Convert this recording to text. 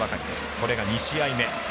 これが２試合目。